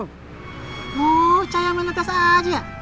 oh cahaya meletas aja